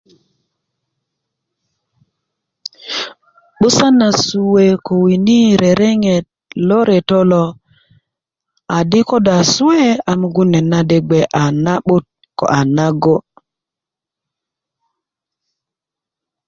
'busan na suwe ko wini rereŋet lo reto lo adi ko do a suwe a mugun net na de gbe a na 'but ko a nago'